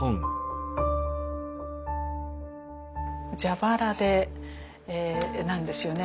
蛇腹なんですよね。